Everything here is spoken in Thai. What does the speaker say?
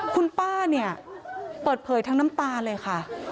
คุณป้าเนี่ยเปิดเผยทั้งน้ำตาเลยค่ะ